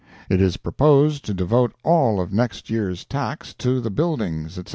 It is proposed to devote all of next year's tax to the buildings, etc.